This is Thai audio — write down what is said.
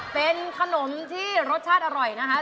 เป็นขนมที่รสชาติอร่อยนะคะ